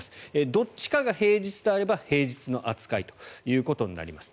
どっちかが平日であれば平日の扱いとなります。